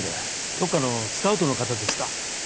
どっかのスカウトの方ですか？